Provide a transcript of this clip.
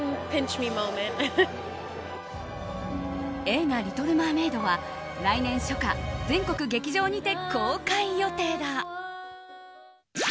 映画「リトル・マーメイド」は来年初夏全国劇場にて公開予定だ。